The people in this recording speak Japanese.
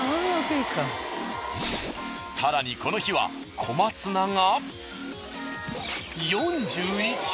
更にこの日は小松菜が。